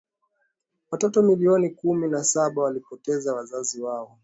watoto milioni kumi na saba walipoteza wazazi wao